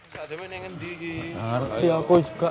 jadi menengah di arti aku juga